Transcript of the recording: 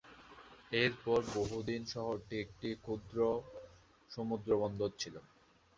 এরপর বহুদিন শহরটি একটি ক্ষুদ্র সমুদ্র বন্দর ছিল।